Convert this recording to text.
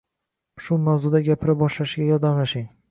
Shu mavzuda gapira boshlashiga yordamlashing